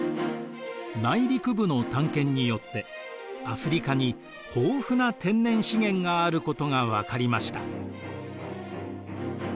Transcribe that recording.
内陸部の探検によってアフリカに豊富な天然資源があることが分かりました。